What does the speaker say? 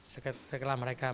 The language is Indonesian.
seketika mereka menyadari